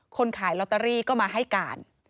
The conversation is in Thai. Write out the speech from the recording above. ขายลอตเตอรี่ก็มาให้การ